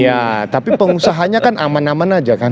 ya tapi pengusahanya kan aman aman aja kan